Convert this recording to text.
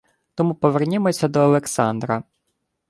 Тому повернімося до Олександра